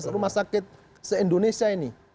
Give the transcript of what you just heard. rumah sakit se indonesia ini